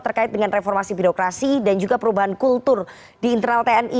terkait dengan reformasi birokrasi dan juga perubahan kultur di internal tni